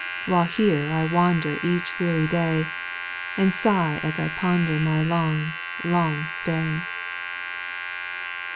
AVhile here I wander Each weary day. And sigh as I ponder My long, long stay.